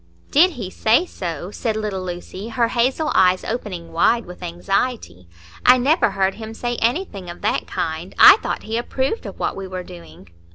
"Did he say so?" said little Lucy, her hazel eyes opening wide with anxiety. "I never heard him say anything of that kind; I thought he approved of what we were doing."